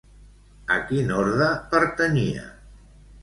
A quin orde pertanyia?